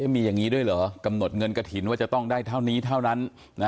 มีอย่างนี้ด้วยเหรอกำหนดเงินกระถิ่นว่าจะต้องได้เท่านี้เท่านั้น